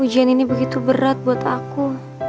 ujian ini begitu berat buat aku